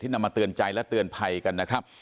นำมาเตือนใจและเตือนภัยกันนะครับ